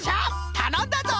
たのんだぞ！